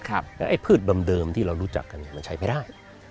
แล้วไอ้พืชเดิมที่เรารู้จักกันมันใช้ไม่ได้